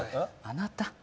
あなた。